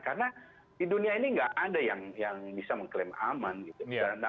karena di dunia ini nggak ada yang bisa mengklaim aman gitu